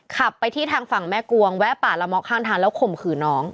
ขับไปที่ทางฝั่งแม่กวงแวะป่าละเมาะข้างทางแล้วข่มขืนน้อง